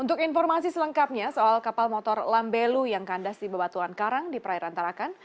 untuk informasi selengkapnya soal kapal motor lambelu yang kandas di bebatuan karang di perairan tarakan